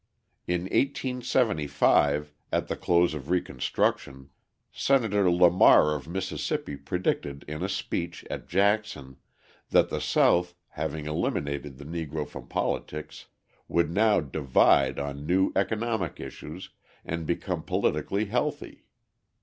In 1875, at the close of Reconstruction, Senator Lamar of Mississippi predicted in a speech at Jackson that the South, having eliminated the Negro from politics, would now divide on new economic issues and become politically healthy.